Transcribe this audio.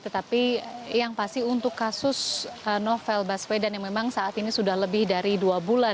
tetapi yang pasti untuk kasus novel baswedan yang memang saat ini sudah lebih dari dua bulan